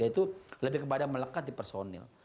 yaitu lebih kepada melekat di personil